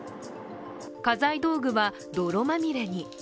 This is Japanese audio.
家財道具は泥まみれに。